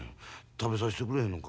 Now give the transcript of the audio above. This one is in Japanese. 食べさしてくれへんのんか？